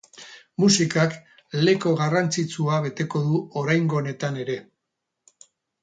Musikak leku garrantzitsua beteko du oraingo honetan ere.